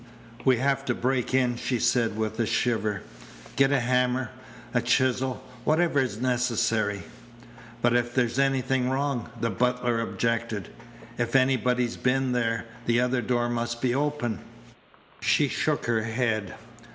"We have to break in," she said with a shiver. "Get a hammer, a chisel, whatever is necessary." "But if there's anything wrong," the butler objected, "if anybody's been there, the other door must be open." She shook her head.